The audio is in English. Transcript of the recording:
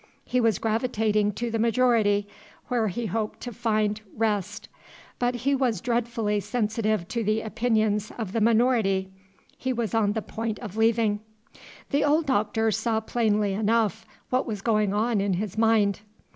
He was gravitating to the majority, where he hoped to find "rest"; but he was dreadfully sensitive to the opinions of the minority he was on the point of leaving. The old Doctor saw plainly enough what was going on in his mind.